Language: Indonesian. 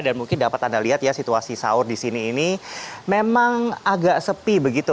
dan mungkin dapat anda lihat ya situasi sahur di sini ini memang agak sepi begitu